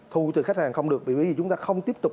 thu từ khách hàng không được vì bởi vì chúng ta không tiếp tục